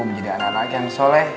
menjadi anak anak yang soleh